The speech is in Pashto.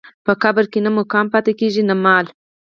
په قبر کې نه مقام پاتې کېږي نه مال.